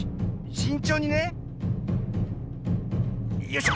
しんちょうにね。よいしょ。